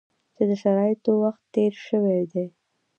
چې د شرایطو وخت تېر شوی دی.